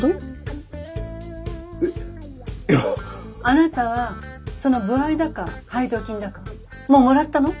あなたはその歩合だか配当金だかもうもらったの？